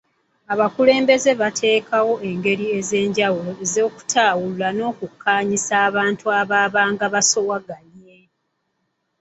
Abakulembeze baateekawo engeri ez’enjawulo ez’okutaawulula n’okukkaanyisa abantu abaabanga basoowaganye.